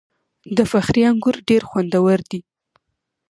د فخری انګور ډیر خوندور دي.